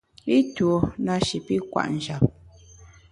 I tuo nashi kwet njap.